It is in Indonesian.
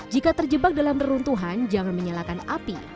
jika terjebak dalam reruntuhan jangan menyalakan api